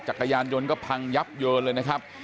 จักรยานยนต์ก็พังยับเยินเลยนะครับ